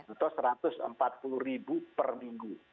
atau satu ratus empat puluh ribu per minggu